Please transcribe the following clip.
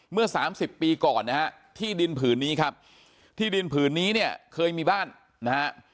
เมื่อสามสิบปีก่อนนะฮะที่ดินผืนนี้ครับที่ดินผืนนี้เนี่ยเคยมีบ้านนะฮะ